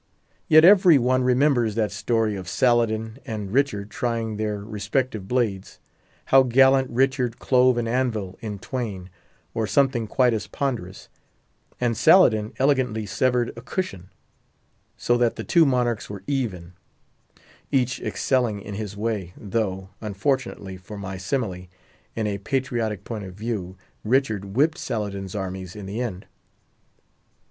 Yet every one remembers that story of Saladin and Richard trying their respective blades; how gallant Richard clove an anvil in twain, or something quite as ponderous, and Saladin elegantly severed a cushion; so that the two monarchs were even—each excelling in his way—though, unfortunately for my simile, in a patriotic point of view, Richard whipped Saladin's armies in the end.